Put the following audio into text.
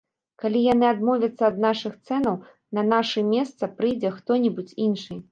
Калі яны адмовяцца ад нашых цэнаў, на наша месца прыйдзе хто-небудзь іншы.